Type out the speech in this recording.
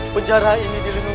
penjara ini dilindungi dengan